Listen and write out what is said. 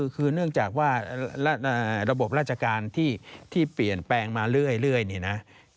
คือเนื่องจากว่าระบบราชการที่เปลี่ยนแปลงมาเรื่อยนี่นะ